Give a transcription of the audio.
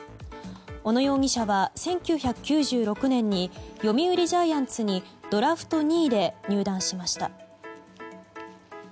小野容疑者は１９９６年に読売ジャイアンツにドラフト２位で入団しました。